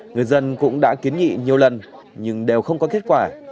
người dân cũng đã kiến nghị nhiều lần nhưng đều không có kết quả